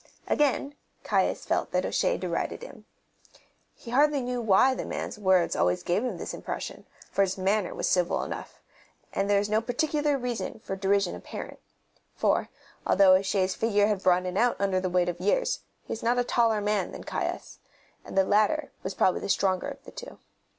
Again Caius felt that O'Shea derided him. He hardly knew why the man's words always gave him this impression, for his manner was civil enough, and there was no particular reason for derision apparent; for, although O'Shea's figure had broadened out under the weight of years, he was not a taller man than Caius, and the latter was probably the stronger of the two.